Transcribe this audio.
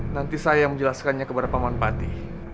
nanti saya yang menjelaskannya kepada paman pati